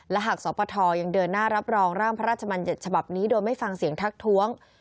และหากสปทยังเดินหน้ารับรองร่างพระราชมัญญัติฉบับนี้โดยไม่ฟังเสียงทักท้วง